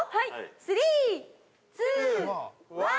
３、２、１！